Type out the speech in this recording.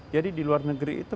jadi di luar negeri itu